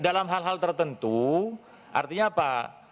dalam hal hal tertentu artinya apa